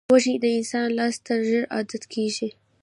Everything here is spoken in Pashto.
وزې د انسان لاس ته ژر عادت کېږي